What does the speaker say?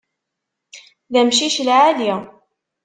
D amcic lɛali!